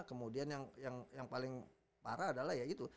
kemudian yang paling parah adalah ya itu